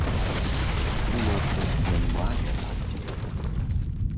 Думаецца, ён мае рацыю.